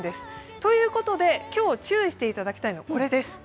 ということで、今日、注意していただきたいのはこちらです。